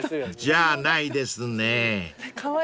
［じゃないですね］